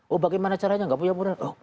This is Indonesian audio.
oh bagaimana caranya gak punya modal